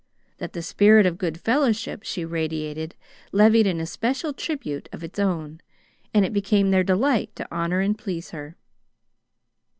That the spirit of good fellowship she radiated levied an especial tribute of its own, and it became their delight to honor and please her.